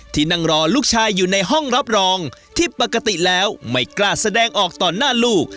ที่นั่งรอลูกชายอยู่ในห้องรับรองที่ปกติแล้วไม่กล้าแสดงออกต่อหน้าลูก